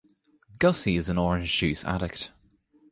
Gussie is an orange-juice addict.